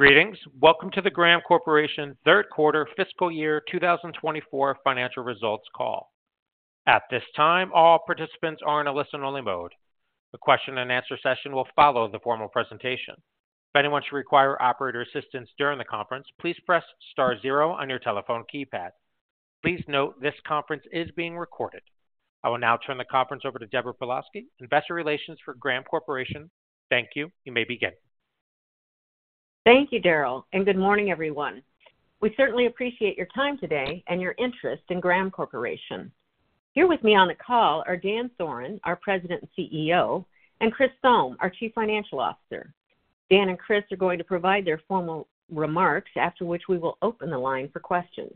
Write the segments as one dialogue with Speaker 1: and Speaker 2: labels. Speaker 1: Greetings. Welcome to the Graham Corporation Third Quarter Fiscal Year 2024 Financial Results Call. At this time, all participants are in a listen-only mode. The question and answer session will follow the formal presentation. If anyone should require operator assistance during the conference, please press star zero on your telephone keypad. Please note, this conference is being recorded. I will now turn the conference over to Deborah Pawlowski, Investor Relations for Graham Corporation. Thank you. You may begin.
Speaker 2: Thank you, Daryl, and good morning, everyone. We certainly appreciate your time today and your interest in Graham Corporation. Here with me on the call are Dan Thoren, our President and CEO, and Chris Thome, our Chief Financial Officer. Dan and Chris are going to provide their formal remarks, after which we will open the line for questions.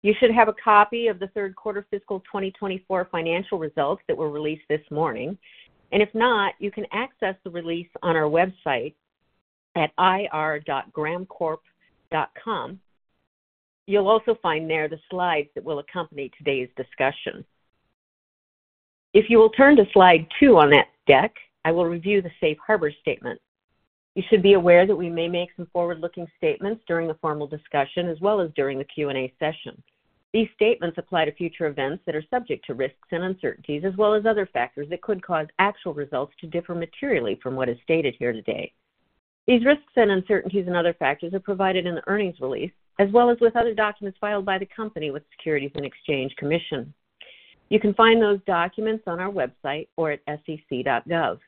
Speaker 2: You should have a copy of the third quarter fiscal 2024 financial results that were released this morning, and if not, you can access the release on our website at ir.grahamcorp.com. You'll also find there the slides that will accompany today's discussion. If you will turn to slide two on that deck, I will review the Safe Harbor statement. You should be aware that we may make some forward-looking statements during the formal discussion as well as during the Q&A session. These statements apply to future events that are subject to risks and uncertainties, as well as other factors that could cause actual results to differ materially from what is stated here today. These risks and uncertainties and other factors are provided in the earnings release, as well as with other documents filed by the company with Securities and Exchange Commission. You can find those documents on our website or at sec.gov.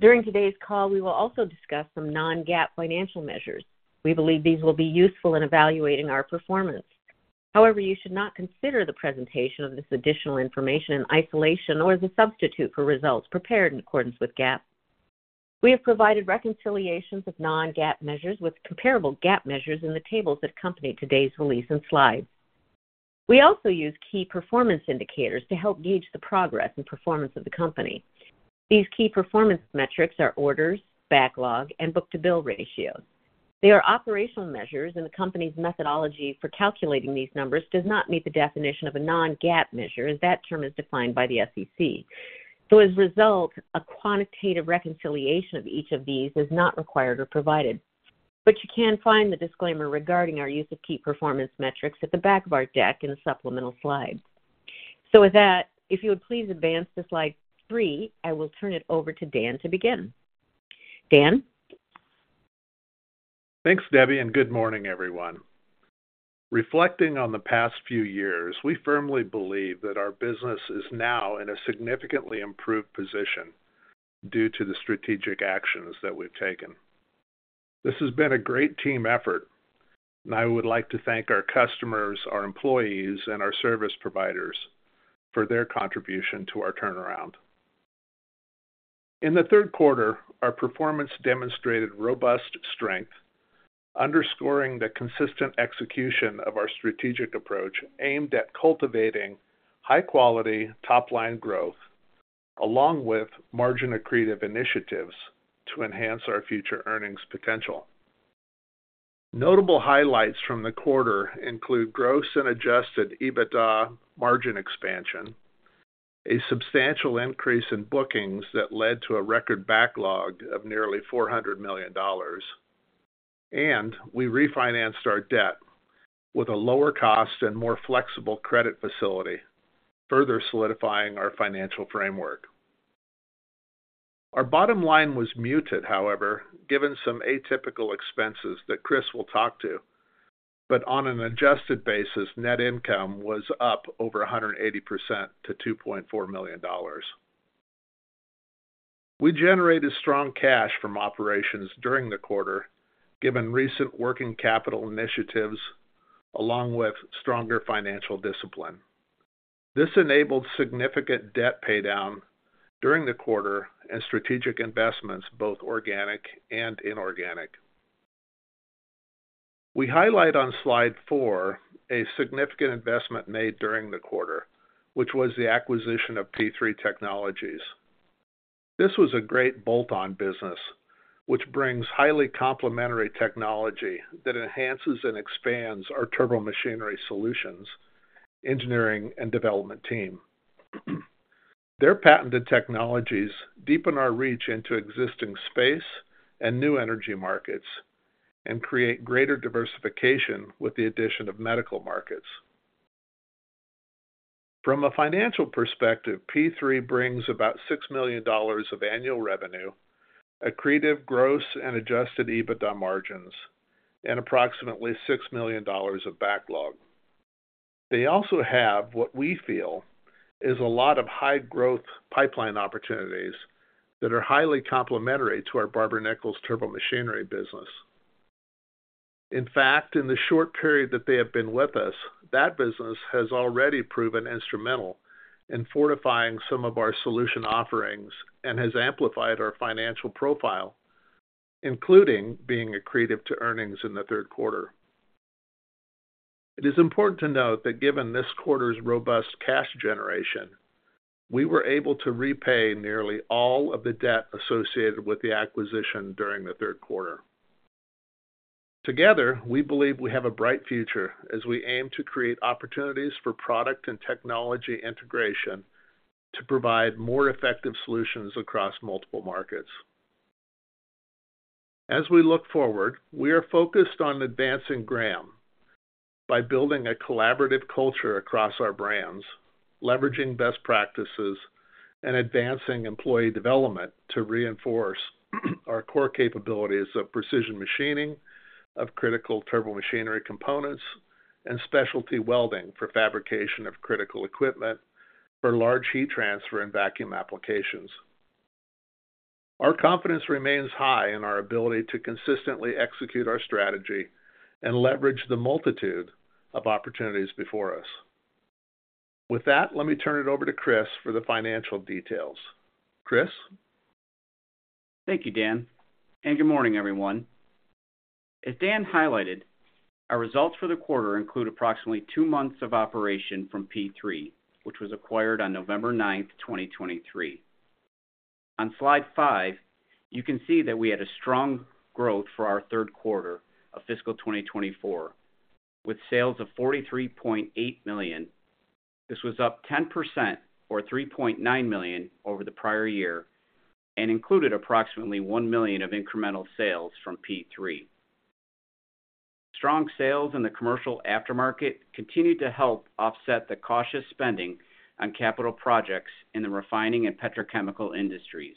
Speaker 2: During today's call, we will also discuss some non-GAAP financial measures. We believe these will be useful in evaluating our performance. However, you should not consider the presentation of this additional information in isolation or as a substitute for results prepared in accordance with GAAP. We have provided reconciliations of non-GAAP measures with comparable GAAP measures in the tables that accompany today's release and slides. We also use key performance indicators to help gauge the progress and performance of the company. These key performance metrics are orders, backlog, and book-to-bill ratios. They are operational measures, and the company's methodology for calculating these numbers does not meet the definition of a non-GAAP measure, as that term is defined by the SEC. So as a result, a quantitative reconciliation of each of these is not required or provided. But you can find the disclaimer regarding our use of key performance metrics at the back of our deck in the supplemental slides. So with that, if you would please advance to slide three, I will turn it over to Dan to begin. Dan?
Speaker 3: Thanks, Debbie, and good morning, everyone. Reflecting on the past few years, we firmly believe that our business is now in a significantly improved position due to the strategic actions that we've taken. This has been a great team effort, and I would like to thank our customers, our employees, and our service providers for their contribution to our turnaround. In the third quarter, our performance demonstrated robust strength, underscoring the consistent execution of our strategic approach aimed at cultivating high quality top-line growth, along with margin accretive initiatives to enhance our future earnings potential. Notable highlights from the quarter include gross and adjusted EBITDA margin expansion, a substantial increase in bookings that led to a record backlog of nearly $400 million, and we refinanced our debt with a lower cost and more flexible credit facility, further solidifying our financial framework. Our bottom line was muted, however, given some atypical expenses that Chris will talk to, but on an adjusted basis, net income was up over 180% to $2.4 million. We generated strong cash from operations during the quarter, given recent working capital initiatives along with stronger financial discipline. This enabled significant debt paydown during the quarter and strategic investments, both organic and inorganic. We highlight on slide four a significant investment made during the quarter, which was the acquisition of P3 Technologies. This was a great bolt-on business, which brings highly complementary technology that enhances and expands our turbomachinery solutions, engineering and development team. Their patented technologies deepen our reach into existing space and new energy markets and create greater diversification with the addition of medical markets. From a financial perspective, P3 brings about $6 million of annual revenue, accretive gross and Adjusted EBITDA margins, and approximately $6 million of backlog. They also have, what we feel, is a lot of high growth pipeline opportunities that are highly complementary to our Barber-Nichols turbomachinery business. In fact, in the short period that they have been with us, that business has already proven instrumental in fortifying some of our solution offerings and has amplified our financial profile, including being accretive to earnings in the third quarter. It is important to note that given this quarter's robust cash generation, we were able to repay nearly all of the debt associated with the acquisition during the third quarter. Together, we believe we have a bright future as we aim to create opportunities for product and technology integration to provide more effective solutions across multiple markets. As we look forward, we are focused on advancing Graham by building a collaborative culture across our brands, leveraging best practices, and advancing employee development to reinforce our core capabilities of precision machining, of critical turbomachinery components, and specialty welding for fabrication of critical equipment for large heat transfer and vacuum applications. Our confidence remains high in our ability to consistently execute our strategy and leverage the multitude of opportunities before us. With that, let me turn it over to Chris for the financial details. Chris?
Speaker 4: Thank you, Dan, and good morning, everyone. As Dan highlighted, our results for the quarter include approximately two months of operation from P3, which was acquired on November 9, 2023. On slide five, you can see that we had a strong growth for our third quarter of fiscal 2024, with sales of $43.8 million. This was up 10%, or $3.9 million, over the prior year and included approximately $1 million of incremental sales from P3. Strong sales in the commercial aftermarket continued to help offset the cautious spending on capital projects in the refining and petrochemical industries.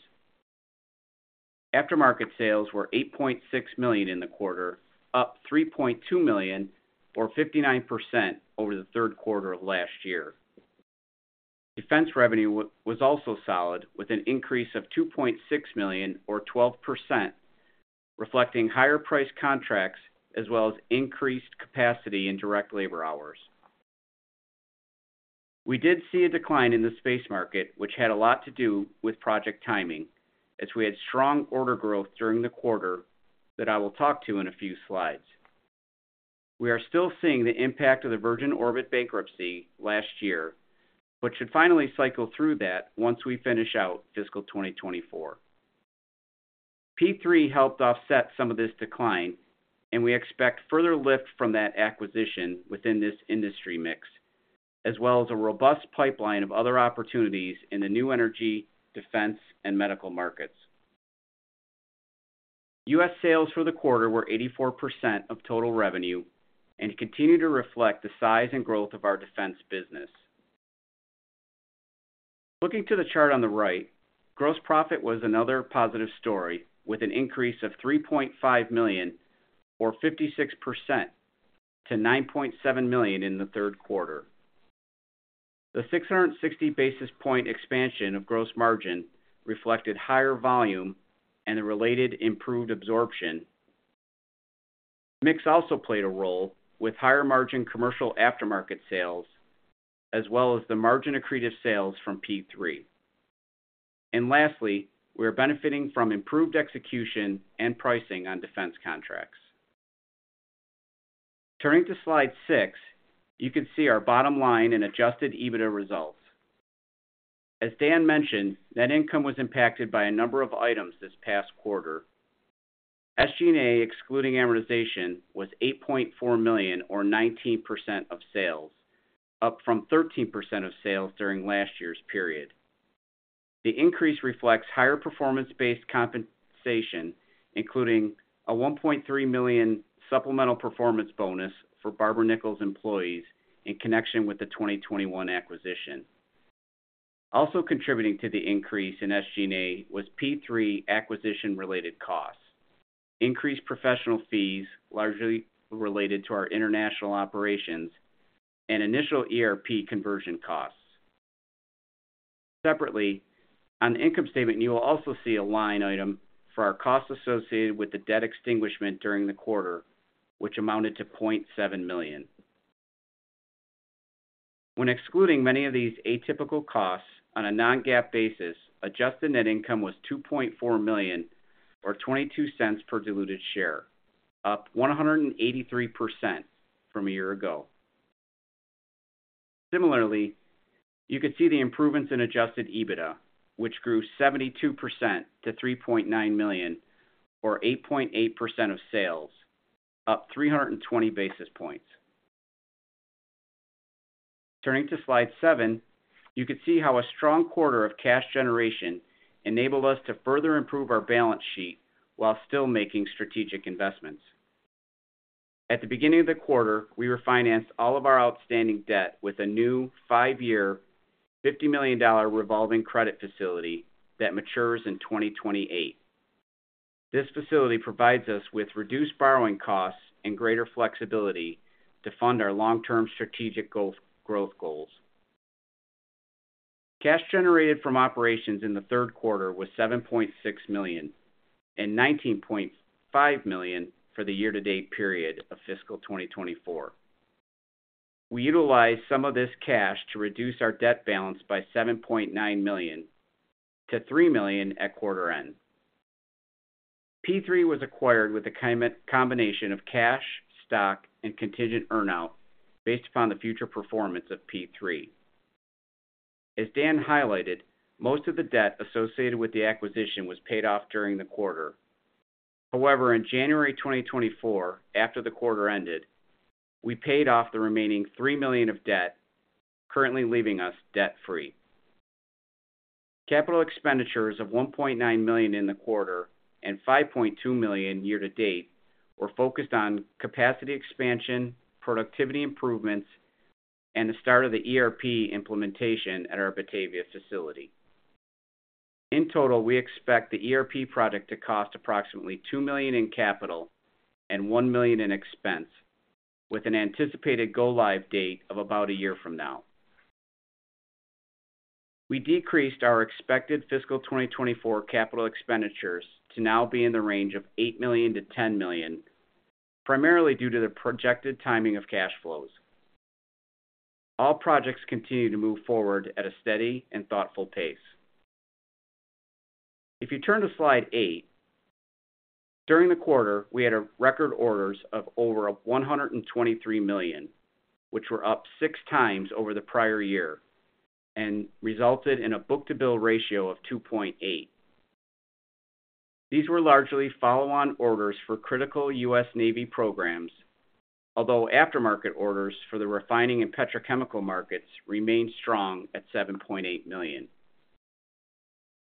Speaker 4: Aftermarket sales were $8.6 million in the quarter, up $3.2 million, or 59%, over the third quarter of last year. Defense revenue was also solid, with an increase of $2.6 million or 12%, reflecting higher priced contracts as well as increased capacity in direct labor hours. We did see a decline in the space market, which had a lot to do with project timing, as we had strong order growth during the quarter that I will talk to in a few slides. We are still seeing the impact of the Virgin Orbit bankruptcy last year, but should finally cycle through that once we finish out fiscal 2024. P3 helped offset some of this decline, and we expect further lift from that acquisition within this industry mix, as well as a robust pipeline of other opportunities in the new energy, defense, and medical markets. U.S. sales for the quarter were 84% of total revenue and continue to reflect the size and growth of our defense business. Looking to the chart on the right, gross profit was another positive story, with an increase of $3.5 million, or 56%, to $9.7 million in the third quarter. The 660 basis point expansion of gross margin reflected higher volume and a related improved absorption. Mix also played a role, with higher margin commercial aftermarket sales, as well as the margin accretive sales from P3. And lastly, we are benefiting from improved execution and pricing on defense contracts. Turning to slide six, you can see our bottom line in Adjusted EBITDA results. As Dan mentioned, net income was impacted by a number of items this past quarter. SG&A, excluding amortization, was $8.4 million, or 19% of sales, up from 13% of sales during last year's period. The increase reflects higher performance-based compensation, including a $1.3 million supplemental performance bonus for Barber-Nichols employees in connection with the 2021 acquisition. Also contributing to the increase in SG&A was P3 acquisition-related costs, increased professional fees, largely related to our international operations, and initial ERP conversion costs. Separately, on the income statement, you will also see a line item for our costs associated with the debt extinguishment during the quarter, which amounted to $0.7 million. When excluding many of these atypical costs, on a non-GAAP basis, adjusted net income was $2.4 million, or $0.22 per diluted share, up 183% from a year ago. Similarly, you can see the improvements in adjusted EBITDA, which grew 72% to $3.9 million, or 8.8% of sales, up 320 basis points. Turning to slide seven, you can see how a strong quarter of cash generation enabled us to further improve our balance sheet while still making strategic investments. At the beginning of the quarter, we refinanced all of our outstanding debt with a new five-year, $50 million revolving credit facility that matures in 2028. This facility provides us with reduced borrowing costs and greater flexibility to fund our long-term strategic goal- growth goals. Cash generated from operations in the third quarter was $7.6 million and $19.5 million for the year-to-date period of fiscal 2024. We utilized some of this cash to reduce our debt balance by $7.9 million-$3 million at quarter end. P3 was acquired with a combination of cash, stock, and contingent earn-out based upon the future performance of P3. As Dan highlighted, most of the debt associated with the acquisition was paid off during the quarter. However, in January 2024, after the quarter ended, we paid off the remaining $3 million of debt, currently leaving us debt-free. Capital expenditures of $1.9 million in the quarter and $5.2 million year to date were focused on capacity expansion, productivity improvements, and the start of the ERP implementation at our Batavia facility. In total, we expect the ERP project to cost approximately $2 million in capital and $1 million in expense, with an anticipated go-live date of about a year from now. We decreased our expected fiscal 2024 capital expenditures to now be in the range of $8 million-$10 million, primarily due to the projected timing of cash flows. All projects continue to move forward at a steady and thoughtful pace. If you turn to slide eight, during the quarter, we had a record orders of over $123 million, which were up 6x over the prior year and resulted in a book-to-bill ratio of 2.8. These were largely follow-on orders for critical U.S. Navy programs, although aftermarket orders for the refining and petrochemical markets remained strong at $7.8 million.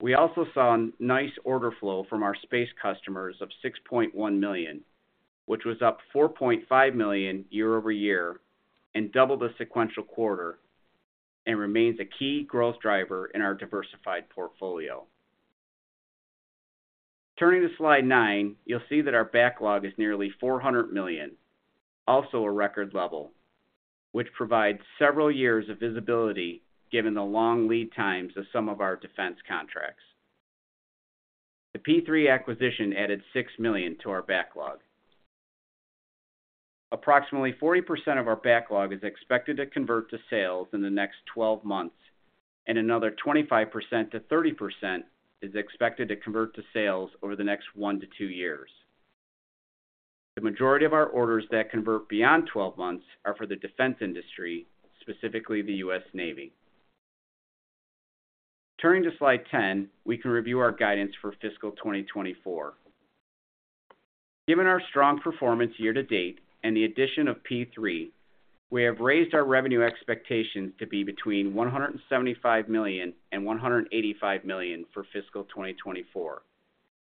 Speaker 4: We also saw a nice order flow from our space customers of $6.1 million, which was up $4.5 million year-over-year and doubled the sequential quarter and remains a key growth driver in our diversified portfolio. Turning to slide nine, you'll see that our backlog is nearly $400 million, also a record level, which provides several years of visibility, given the long lead times of some of our defense contracts. The P3 acquisition added $6 million to our backlog. Approximately 40% of our backlog is expected to convert to sales in the next 12 months, and another 25%-30% is expected to convert to sales over the next one to two years. The majority of our orders that convert beyond 12 months are for the defense industry, specifically the U.S. Navy. Turning to slide 10, we can review our guidance for fiscal 2024. Given our strong performance year to date and the addition of P3, we have raised our revenue expectations to be between $175 million and $185 million for fiscal 2024,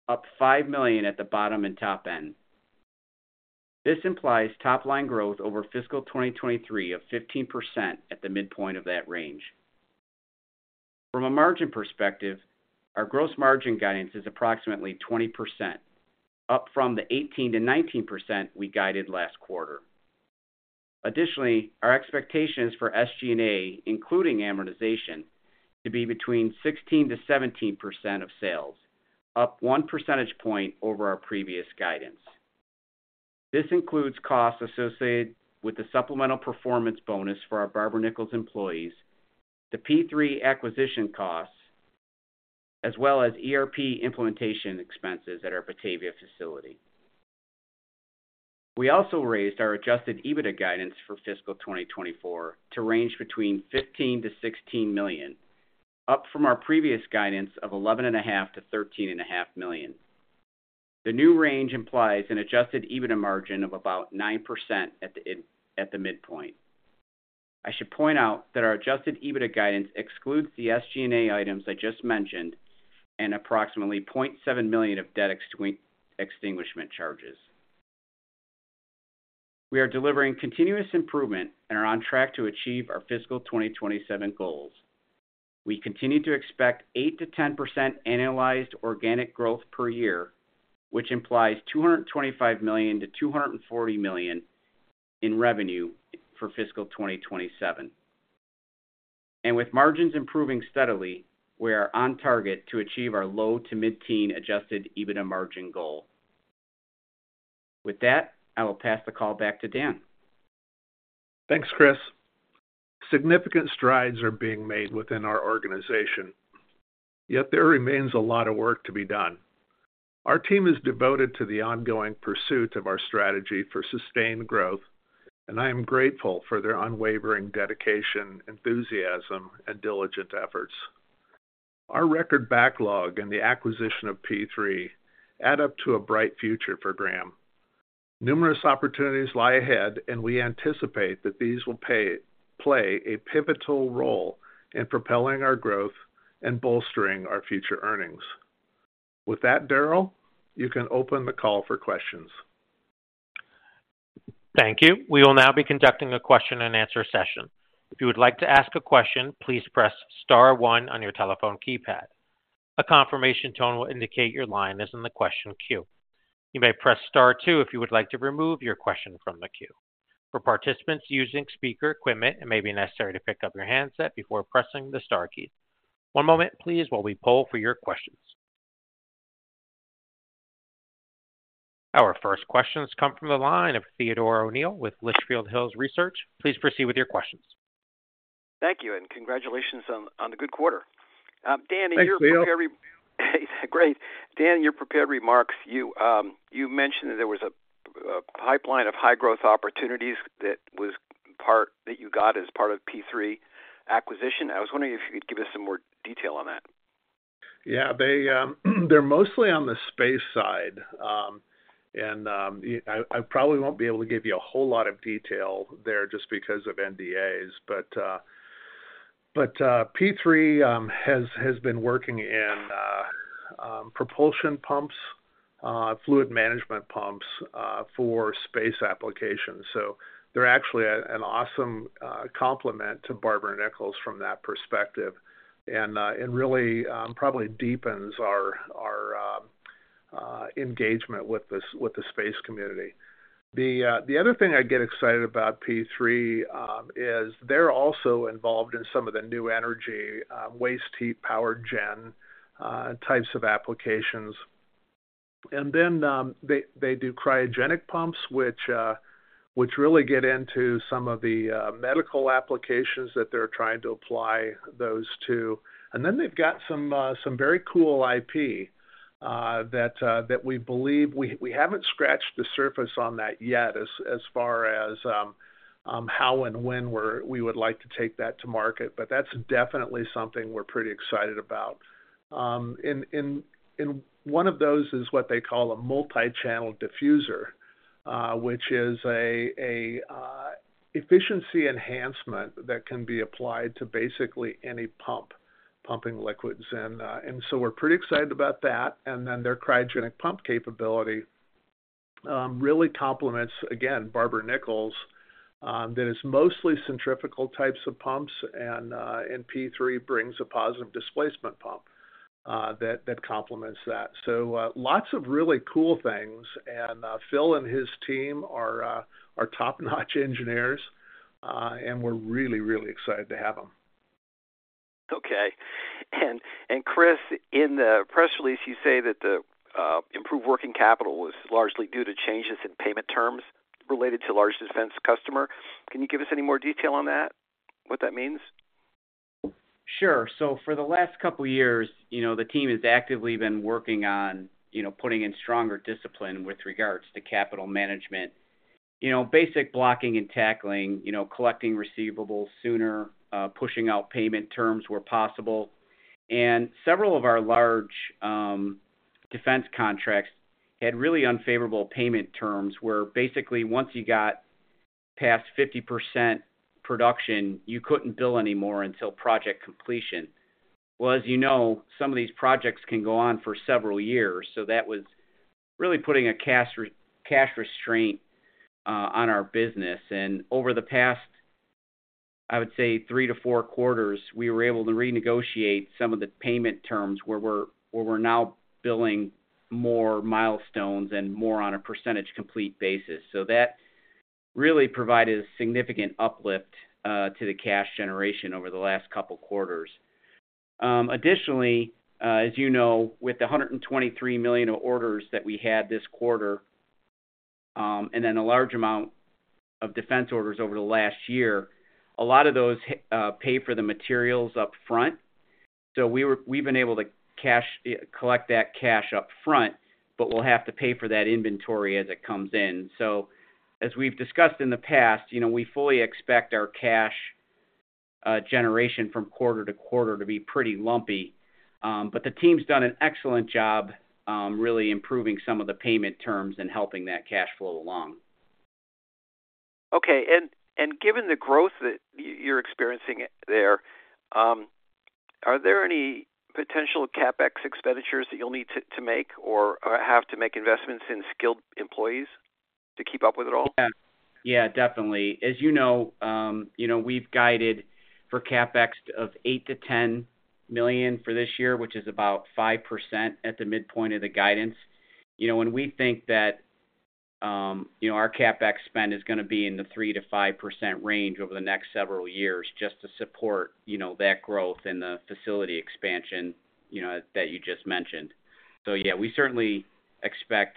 Speaker 4: up $5 million at the bottom and top end. This implies top-line growth over fiscal 2023 of 15% at the midpoint of that range. From a margin perspective, our gross margin guidance is approximately 20%, up from the 18%-19% we guided last quarter. Additionally, our expectations for SG&A, including amortization, to be between 16%-17% of sales, up one percentage point over our previous guidance. This includes costs associated with the supplemental performance bonus for our Barber-Nichols employees, the P3 acquisition costs, as well as ERP implementation expenses at our Batavia facility. We also raised our adjusted EBITDA guidance for fiscal 2024 to range between $15 million-$16 million, up from our previous guidance of $11.5 million-$13.5 million. The new range implies an adjusted EBITDA margin of about 9% at the midpoint. I should point out that our adjusted EBITDA guidance excludes the SG&A items I just mentioned and approximately $0.7 million of debt extinguishment charges. We are delivering continuous improvement and are on track to achieve our fiscal 2027 goals. We continue to expect 8%-10% annualized organic growth per year, which implies $225 million-$240 million in revenue for fiscal 2027. With margins improving steadily, we are on target to achieve our low to mid-teen adjusted EBITDA margin goal. With that, I will pass the call back to Dan.
Speaker 3: Thanks, Chris. Significant strides are being made within our organization, yet there remains a lot of work to be done. Our team is devoted to the ongoing pursuit of our strategy for sustained growth, and I am grateful for their unwavering dedication, enthusiasm, and diligent efforts. Our record backlog and the acquisition of P3 add up to a bright future for Graham. Numerous opportunities lie ahead, and we anticipate that these will play a pivotal role in propelling our growth and bolstering our future earnings. With that, Daryl, you can open the call for questions.
Speaker 1: Thank you. We will now be conducting a question and answer session. If you would like to ask a question, please press star one on your telephone keypad. A confirmation tone will indicate your line is in the question queue. You may press star two if you would like to remove your question from the queue. For participants using speaker equipment, it may be necessary to pick up your handset before pressing the star key. One moment, please, while we poll for your questions. Our first questions come from the line of Theodore O'Neill with Litchfield Hills Research. Please proceed with your questions.
Speaker 5: Thank you, and congratulations on, on the good quarter. Dan-
Speaker 3: Thanks, Neil.
Speaker 5: Great. Dan, in your prepared remarks, you mentioned that there was a pretty pipeline of high growth opportunities that was part, that you got as part of P3 acquisition. I was wondering if you could give us some more detail on that?
Speaker 3: Yeah, they, they're mostly on the space side. And, I probably won't be able to give you a whole lot of detail there just because of NDAs. But, P3 has been working in propulsion pumps, fluid management pumps, for space applications. So they're actually an awesome complement to Barber-Nichols from that perspective, and really probably deepens our engagement with the space community. The other thing I get excited about P3 is they're also involved in some of the new energy waste heat power gen types of applications. And then, they do cryogenic pumps, which really get into some of the medical applications that they're trying to apply those to. And then they've got some very cool IP that we believe we haven't scratched the surface on that yet, as far as how and when we would like to take that to market, but that's definitely something we're pretty excited about. And one of those is what they call a multi-channel diffuser, which is an efficiency enhancement that can be applied to basically any pump, pumping liquids. And so we're pretty excited about that. And then their cryogenic pump capability really complements, again, Barber-Nichols, that is mostly centrifugal types of pumps, and P3 brings a positive displacement pump that complements that. So lots of really cool things. Phil and his team are top-notch engineers, and we're really, really excited to have them.
Speaker 5: Okay. And, Chris, in the press release, you say that the improved working capital was largely due to changes in payment terms related to a large defense customer. Can you give us any more detail on that? What that means?
Speaker 4: Sure. So for the last couple of years, you know, the team has actively been working on, you know, putting in stronger discipline with regards to capital management. You know, basic blocking and tackling, you know, collecting receivables sooner, pushing out payment terms where possible. And several of our large defense contracts had really unfavorable payment terms, where basically, once you got past 50% production, you couldn't bill anymore until project completion. Well, as you know, some of these projects can go on for several years, so that was really putting a cash restraint on our business. And over the past, I would say three to four quarters, we were able to renegotiate some of the payment terms where we're now billing more milestones and more on a percentage complete basis. So that really provided a significant uplift to the cash generation over the last couple quarters. Additionally, as you know, with the $123 million of orders that we had this quarter, and then a large amount of defense orders over the last year, a lot of those pay for the materials upfront. So we've been able to collect that cash upfront, but we'll have to pay for that inventory as it comes in. So as we've discussed in the past, you know, we fully expect our cash generation from quarter to quarter to be pretty lumpy. But the team's done an excellent job really improving some of the payment terms and helping that cash flow along.
Speaker 5: Okay. And given the growth that you're experiencing there, are there any potential CapEx expenditures that you'll need to make or have to make investments in skilled employees to keep up with it all?
Speaker 4: Yeah. Yeah, definitely. As you know, you know, we've guided for CapEx of $8 million-$10 million for this year, which is about 5% at the midpoint of the guidance. You know, when we think that, you know, our CapEx spend is gonna be in the 3%-5% range over the next several years just to support, you know, that growth and the facility expansion, you know, that you just mentioned. So yeah, we certainly expect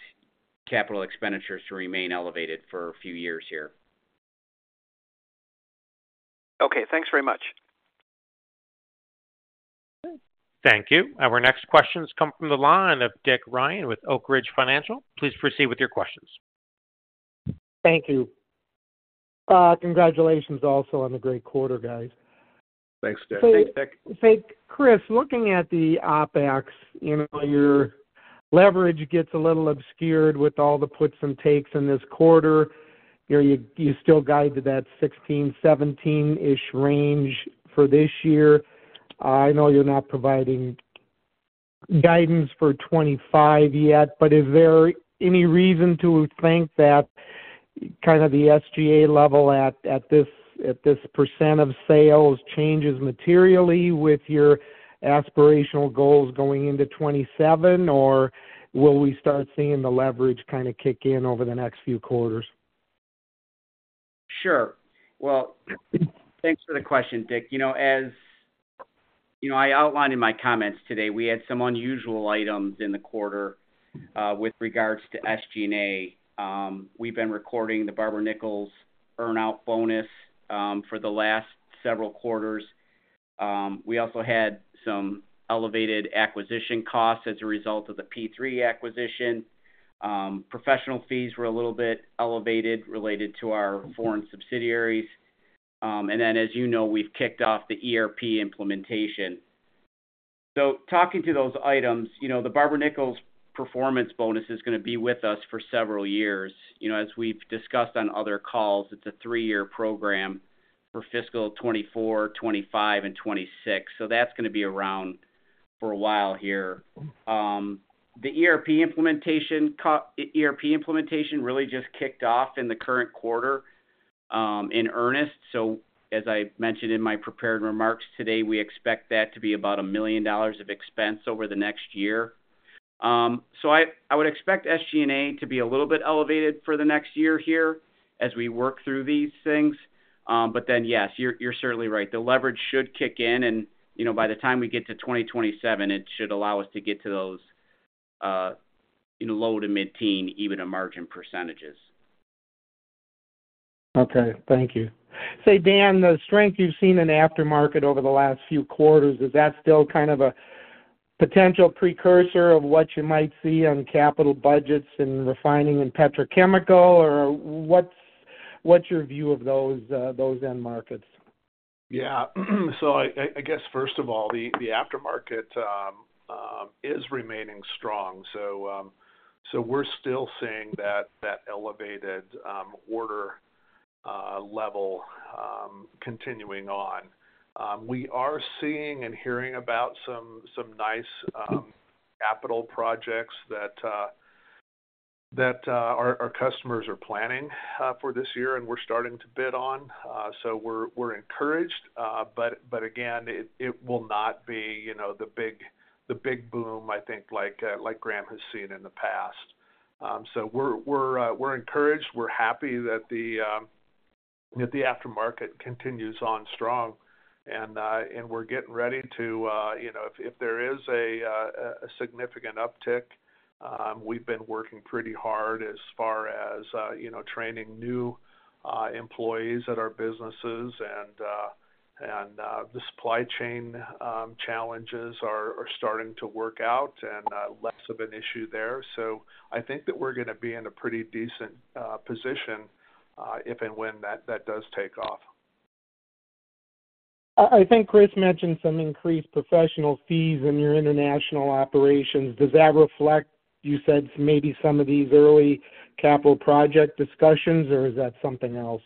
Speaker 4: capital expenditures to remain elevated for a few years here.
Speaker 5: Okay. Thanks very much.
Speaker 1: Thank you. Our next question comes from the line of Dick Ryan with Oak Ridge Financial. Please proceed with your questions.
Speaker 6: Thank you. Congratulations also on the great quarter, guys.
Speaker 3: Thanks, Dick.
Speaker 4: Thanks, Dick.
Speaker 6: So, Chris, looking at the OpEx, you know, your leverage gets a little obscured with all the puts and takes in this quarter. You know, you still guide to that 16-17-ish range for this year. I know you're not providing guidance for 2025 yet, but is there any reason to think that kind of the SG&A level at this percent of sales changes materially with your aspirational goals going into 2027? Or will we start seeing the leverage kind of kick in over the next few quarters?
Speaker 4: Sure. Well, thanks for the question, Dick. You know, as you know, I outlined in my comments today, we had some unusual items in the quarter with regards to SG&A. We've been recording the Barber-Nichols earn-out bonus for the last several quarters. We also had some elevated acquisition costs as a result of the P3 acquisition. Professional fees were a little bit elevated related to our foreign subsidiaries. And then, as you know, we've kicked off the ERP implementation. So talking to those items, you know, the Barber-Nichols performance bonus is gonna be with us for several years. You know, as we've discussed on other calls, it's a three-year program for fiscal 2024, 2025, and 2026, so that's gonna be around for a while here. The ERP implementation really just kicked off in the current quarter, in earnest. So as I mentioned in my prepared remarks today, we expect that to be about $1 million of expense over the next year. So I would expect SG&A to be a little bit elevated for the next year here as we work through these things. But then, yes, you're certainly right. The leverage should kick in, and, you know, by the time we get to 2027, it should allow us to get to those, you know, low- to mid-teens even margin percentages.
Speaker 6: Okay, thank you. Say, Dan, the strength you've seen in the aftermarket over the last few quarters, is that still kind of a potential precursor of what you might see on capital budgets in refining and petrochemical? Or what's your view of those end markets?
Speaker 3: Yeah. So I guess first of all, the aftermarket is remaining strong. So we're still seeing that elevated order level continuing on. We are seeing and hearing about some nice capital projects that our customers are planning for this year, and we're starting to bid on. So we're encouraged. But again, it will not be, you know, the big boom, I think, like Graham has seen in the past. So we're encouraged. We're happy that the aftermarket continues on strong, and we're getting ready to, you know, if there is a significant uptick, we've been working pretty hard as far as, you know, training new employees at our businesses. And the supply chain challenges are starting to work out and less of an issue there. So I think that we're gonna be in a pretty decent position, if and when that does take off.
Speaker 6: I think Chris mentioned some increased professional fees in your international operations. Does that reflect, you said, maybe some of these early capital project discussions, or is that something else?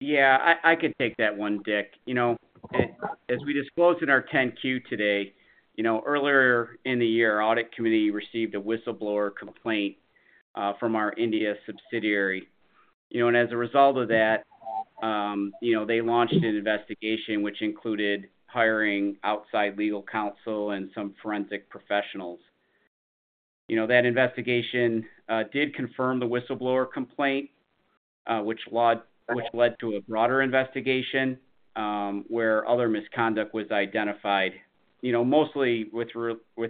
Speaker 4: Yeah, I could take that one, Dick. You know, as we disclosed in our 10-Q today, you know, earlier in the year, our audit committee received a whistleblower complaint from our India subsidiary. You know, and as a result of that, you know, they launched an investigation which included hiring outside legal counsel and some forensic professionals. You know, that investigation did confirm the whistleblower complaint, which led to a broader investigation, where other misconduct was identified, you know, mostly with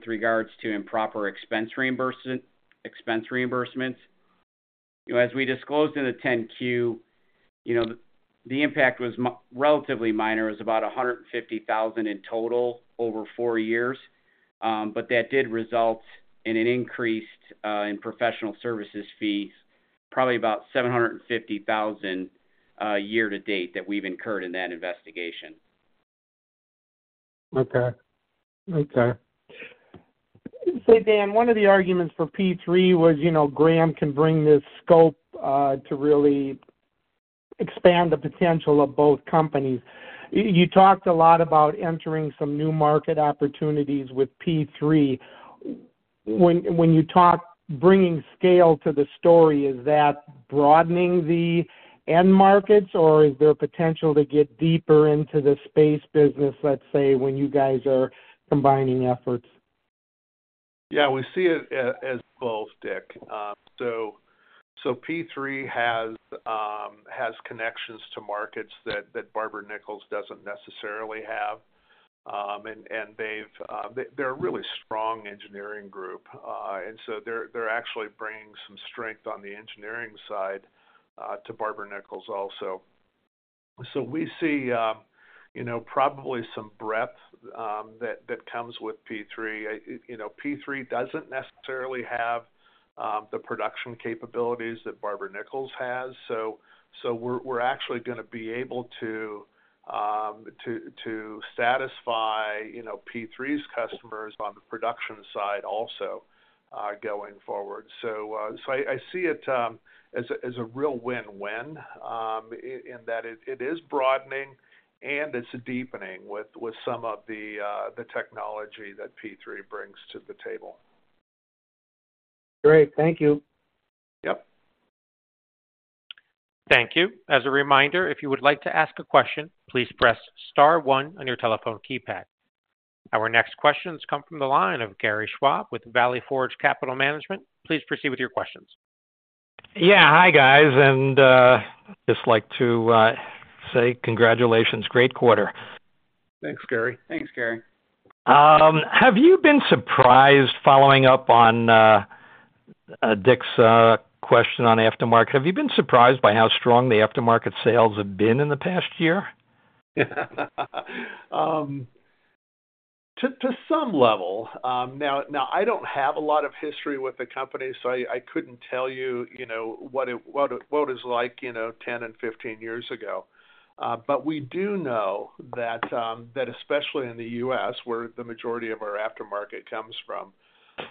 Speaker 4: regards to improper expense reimbursement, expense reimbursements. You know, as we disclosed in the 10-Q, you know, the impact was relatively minor. It was about $150,000 in total over four years, but that did result in an increase in professional services fees, probably about $750,000 year to date, that we've incurred in that investigation.
Speaker 6: Okay. Okay. Say, Dan, one of the arguments for P3 was, you know, Graham can bring this scope to really expand the potential of both companies. You talked a lot about entering some new market opportunities with P3. When you talk bringing scale to the story, is that broadening the end markets, or is there potential to get deeper into the space business, let's say, when you guys are combining efforts?
Speaker 3: Yeah, we see it as both, Dick. So, P3 has connections to markets that Barber-Nichols doesn't necessarily have. And, they've, they're a really strong engineering group. And so they're actually bringing some strength on the engineering side to Barber-Nichols also. So we see, you know, probably some breadth that comes with P3. You know, P3 doesn't necessarily have the production capabilities that Barber-Nichols has. So, we're actually gonna be able to satisfy, you know, P3's customers on the production side also, going forward. So, I see it as a real win-win in that it is broadening, and it's deepening with some of the technology that P3 brings to the table.
Speaker 6: Great. Thank you.
Speaker 3: Yep.
Speaker 1: Thank you. As a reminder, if you would like to ask a question, please press star one on your telephone keypad. Our next questions come from the line of Gary Schwab with Valley Forge Capital Management. Please proceed with your questions.
Speaker 7: Yeah. Hi, guys, and, just like to say congratulations. Great quarter.
Speaker 3: Thanks, Gary.
Speaker 4: Thanks, Gary.
Speaker 7: Have you been surprised, following up on Dick's question on aftermarket: Have you been surprised by how strong the aftermarket sales have been in the past year?
Speaker 3: To some level. Now, I don't have a lot of history with the company, so I couldn't tell you, you know, what it's like, you know, 10 and 15 years ago. But we do know that especially in the U.S., where the majority of our aftermarket comes from,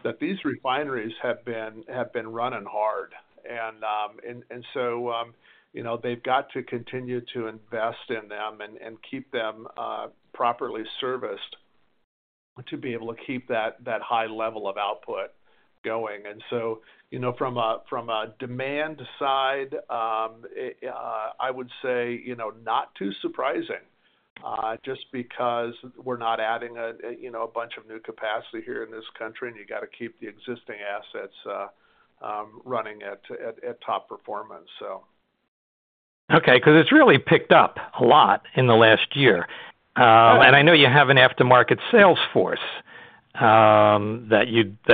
Speaker 3: that these refineries have been running hard. And so, you know, they've got to continue to invest in them and keep them properly serviced to be able to keep that high level of output going. And so, you know, from a demand side, I would say, you know, not too surprising, just because we're not adding a bunch of new capacity here in this country, and you got to keep the existing assets, running at top performance, so.
Speaker 7: Okay, 'cause it's really picked up a lot in the last year.
Speaker 3: Right.
Speaker 7: - and I know you have an aftermarket sales force, that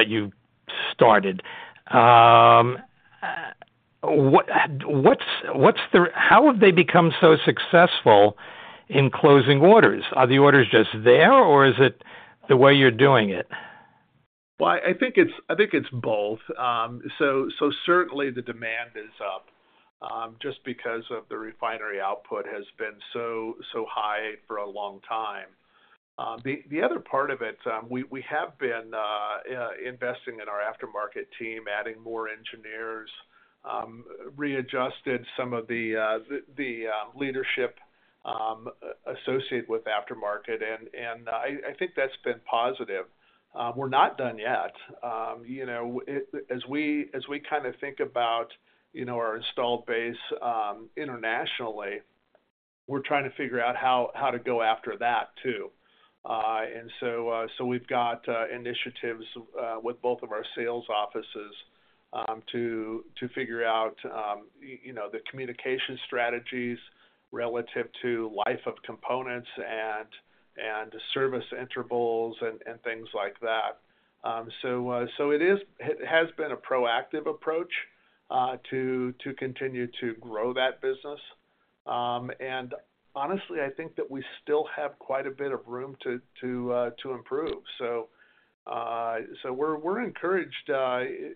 Speaker 7: you started. What's the-- how have they become so successful in closing orders? Are the orders just there, or is it the way you're doing it?
Speaker 3: Well, I think it's both. So certainly the demand is up, just because the refinery output has been so high for a long time. The other part of it, we have been investing in our aftermarket team, adding more engineers, readjusted some of the leadership associated with aftermarket, and I think that's been positive. We're not done yet. You know, as we kind of think about our installed base internationally, we're trying to figure out how to go after that too. And so, we've got initiatives with both of our sales offices to figure out, you know, the communication strategies relative to life of components and service intervals and things like that. So, it has been a proactive approach to continue to grow that business. And honestly, I think that we still have quite a bit of room to improve. So, we're encouraged,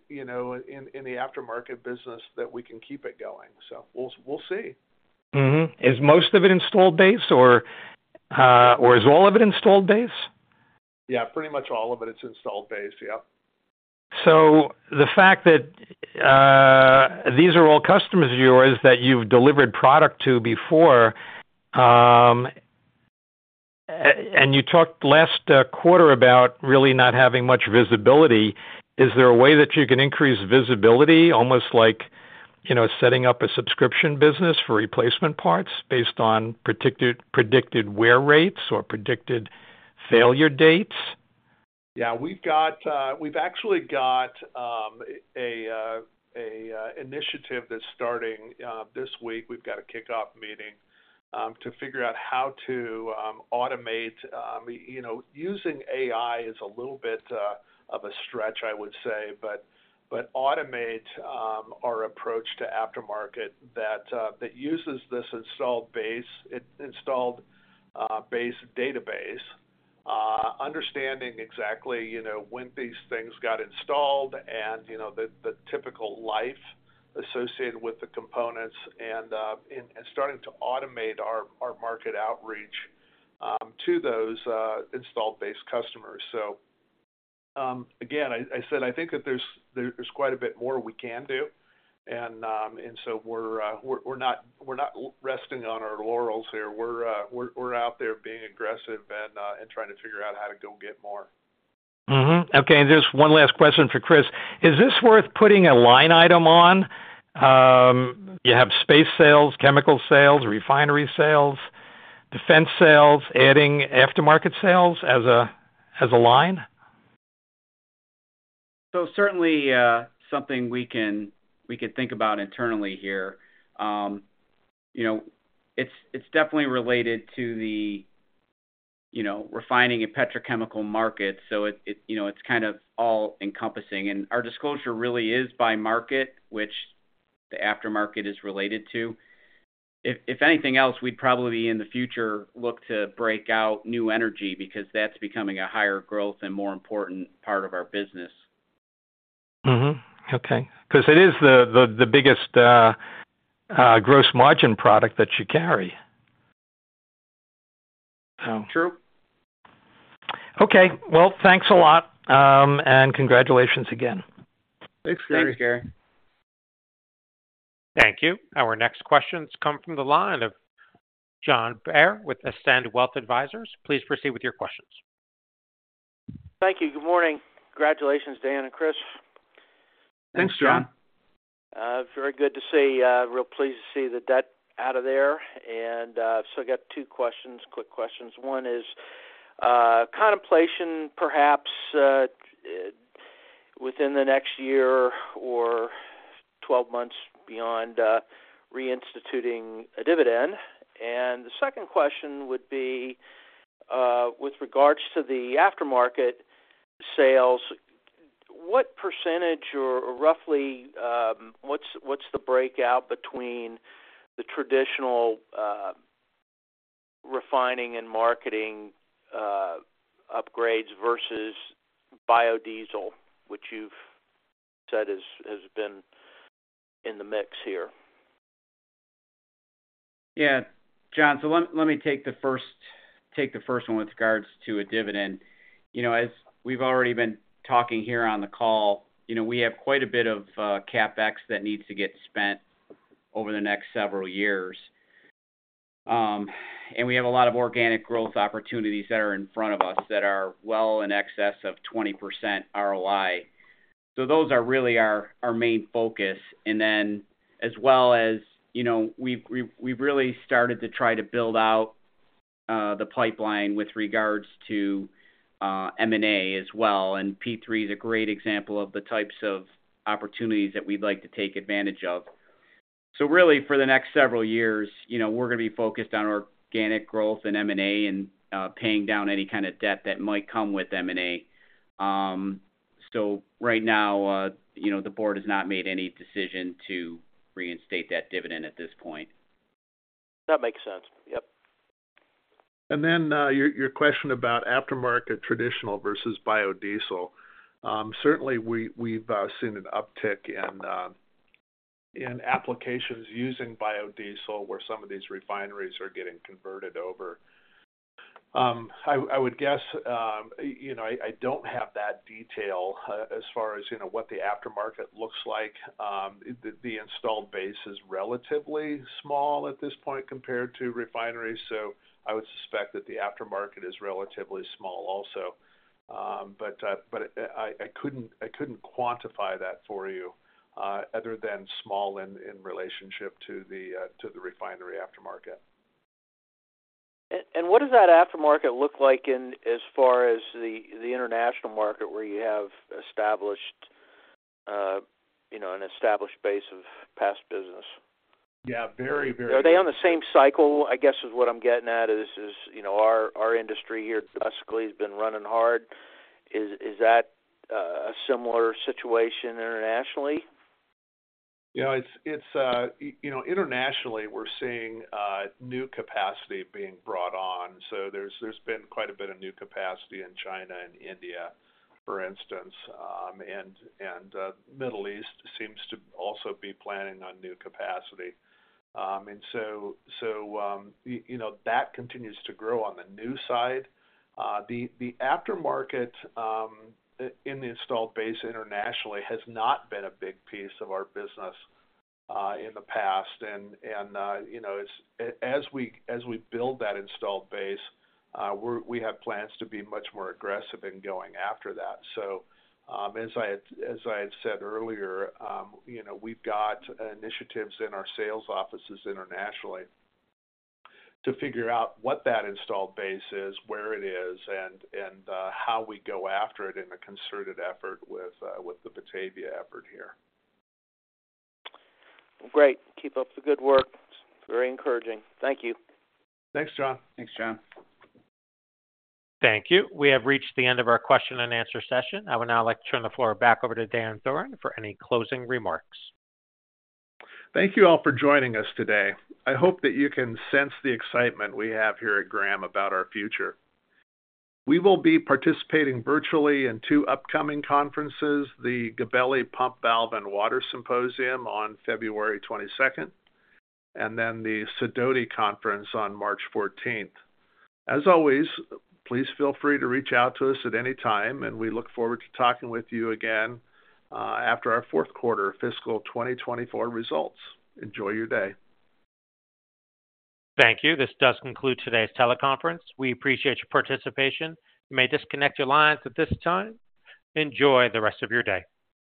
Speaker 3: you know, in the aftermarket business that we can keep it going. So we'll see.
Speaker 7: Mm-hmm. Is most of it installed base or, or is all of it installed base?
Speaker 3: Yeah, pretty much all of it is installed base. Yep.
Speaker 7: So the fact that these are all customers of yours, that you've delivered product to before, and you talked last quarter about really not having much visibility, is there a way that you can increase visibility, almost like, you know, setting up a subscription business for replacement parts based on predicted, predicted wear rates or predicted failure dates?
Speaker 3: Yeah, we've got, we've actually got, a initiative that's starting, this week. We've got a kickoff meeting, to figure out how to, automate... You know, using AI is a little bit, of a stretch, I would say, but, but automate, our approach to aftermarket that, that uses this installed base, installed base database, understanding exactly, you know, when these things got installed and, you know, the, the typical life associated with the components and, and, and starting to automate our, our market outreach, to those, installed base customers. So, again, I said, I think that there's, there's quite a bit more we can do. And, and so we're, we're, we're not, we're not resting on our laurels here. We're out there being aggressive and trying to figure out how to go get more.
Speaker 7: Mm-hmm. Okay, and just one last question for Chris. Is this worth putting a line item on? You have space sales, chemical sales, refinery sales, defense sales, adding aftermarket sales as a line?
Speaker 4: So certainly, something we can, we could think about internally here. You know, it's, it's definitely related to the, you know, refining and petrochemical market. So it, it, you know, it's kind of all-encompassing, and our disclosure really is by market, which the aftermarket is related to. If, if anything else, we'd probably, in the future, look to break out new energy, because that's becoming a higher growth and more important part of our business.
Speaker 7: Mm-hmm. Okay. Because it is the biggest gross margin product that you carry.
Speaker 4: True.
Speaker 7: Okay. Well, thanks a lot, and congratulations again.
Speaker 3: Thanks, Gary.
Speaker 4: Thanks, Gary.
Speaker 1: Thank you. Our next question comes from the line of John Bair with Ascend Wealth Advisors. Please proceed with your questions.
Speaker 8: Thank you. Good morning. Congratulations, Dan and Chris.
Speaker 3: Thanks, John.
Speaker 4: Thanks, John.
Speaker 8: Very good to see, real pleased to see the debt out of there. And, so I got two questions, quick questions. One is, contemplation, perhaps, within the next year or twelve months beyond, reinstituting a dividend? And the second question would be, with regards to the aftermarket sales, what percentage or roughly, what's the breakout between the traditional, refining and marketing, upgrades versus biodiesel, which you've said has been in the mix here?
Speaker 4: Yeah, John, so let me take the first one with regards to a dividend. You know, as we've already been talking here on the call, you know, we have quite a bit of CapEx that needs to get spent over the next several years. And we have a lot of organic growth opportunities that are in front of us that are well in excess of 20% ROI. So those are really our main focus. And then, as well as, you know, we've really started to try to build out the pipeline with regards to M&A as well. And P3 is a great example of the types of opportunities that we'd like to take advantage of. So really, for the next several years, you know, we're going to be focused on organic growth and M&A and paying down any kind of debt that might come with M&A. So right now, you know, the board has not made any decision to reinstate that dividend at this point.
Speaker 8: That makes sense. Yep.
Speaker 3: And then, your question about aftermarket traditional versus biodiesel. Certainly we've seen an uptick in applications using biodiesel, where some of these refineries are getting converted over. I would guess, you know, I don't have that detail as far as, you know, what the aftermarket looks like. The installed base is relatively small at this point compared to refineries, so I would suspect that the aftermarket is relatively small also. But I couldn't quantify that for you, other than small in relationship to the refinery aftermarket.
Speaker 8: What does that aftermarket look like as far as the international market, where you have established, you know, an established base of past business?
Speaker 3: Yeah, very, very-
Speaker 8: Are they on the same cycle? I guess what I'm getting at is, you know, our industry here domestically has been running hard. Is that a similar situation internationally?
Speaker 3: You know, it's you know, internationally, we're seeing new capacity being brought on. So there's been quite a bit of new capacity in China and India, for instance, and Middle East seems to also be planning on new capacity. And so you know, that continues to grow on the new side. The aftermarket in the installed base internationally has not been a big piece of our business in the past. And you know, as we build that installed base, we have plans to be much more aggressive in going after that. So, as I had said earlier, you know, we've got initiatives in our sales offices internationally to figure out what that installed base is, where it is, and how we go after it in a concerted effort with the Batavia effort here.
Speaker 8: Great. Keep up the good work. Very encouraging. Thank you.
Speaker 3: Thanks, John.
Speaker 4: Thanks, John.
Speaker 1: Thank you. We have reached the end of our question and answer session. I would now like to turn the floor back over to Dan Thoren for any closing remarks.
Speaker 3: Thank you all for joining us today. I hope that you can sense the excitement we have here at Graham about our future. We will be participating virtually in two upcoming conferences, the Gabelli Pump, Valve and Water Symposium on February 22nd, and then the Sidoti Conference on March 14th. As always, please feel free to reach out to us at any time, and we look forward to talking with you again, after our fourth quarter fiscal 2024 results. Enjoy your day.
Speaker 1: Thank you. This does conclude today's teleconference. We appreciate your participation. You may disconnect your lines at this time. Enjoy the rest of your day.